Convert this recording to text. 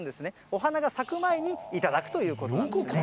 お花が咲く前に頂くということなんですね。